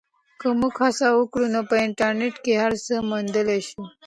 که موږ هڅه وکړو نو په انټرنیټ کې هر څه موندلی سو.